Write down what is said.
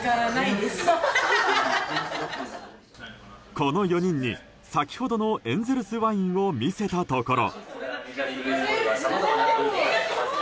この４人に先ほどのエンゼルスワインを見せたところ。